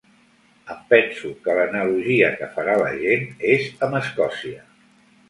Em penso que l’analogia que farà la gent és amb Escòcia.